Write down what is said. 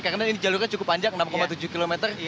karena ini jalurnya cukup panjang enam tujuh kilometer